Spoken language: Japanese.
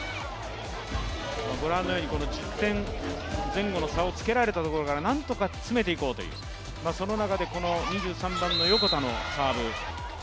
ご覧のように１０点前後の差をつけられたところから何とか詰めていこうという、その中で２３番の横田のサーブ。